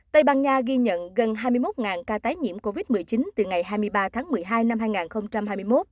tây ban nha ghi nhận gần hai mươi một ca tái nhiễm covid một mươi chín từ ngày hai mươi ba tháng một mươi hai năm hai nghìn hai mươi một